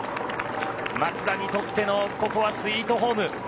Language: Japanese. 松田にとってのここはスイートホーム。